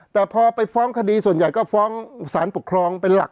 แต่พอไปฟ้องคดีส่วนใหญ่ก็ฟ้องสารปกครองเป็นหลัก